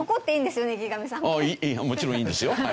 もちろんいいんですよ。